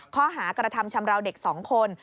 ข้อหากระทำชำราวเด็ก๒คน